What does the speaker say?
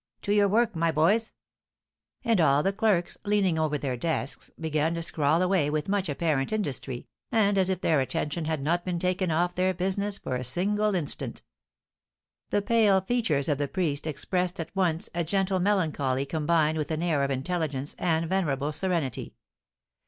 To your work, my boys!" And all the clerks, leaning over their desks, began to scrawl away with much apparent industry, and as if their attention had not been taken off their business for a single instant. The pale features of the priest expressed at once a gentle melancholy combined with an air of intelligence and venerable serenity.